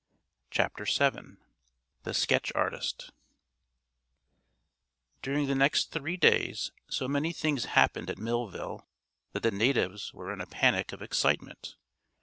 CHAPTER VII THE SKETCH ARTIST During the next three days so many things happened at Millville that the natives were in a panic of excitement.